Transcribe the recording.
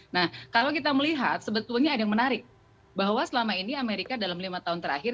nah kalau kita melihat sebetulnya ada yang menarik bahwa selama ini amerika dalam lima tahun terakhir